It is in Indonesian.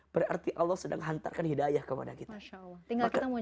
berarti allah sedang hantarkan hidayah kepada kita